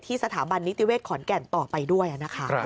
สถาบันนิติเวศขอนแก่นต่อไปด้วยนะคะ